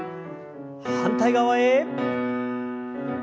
反対側へ。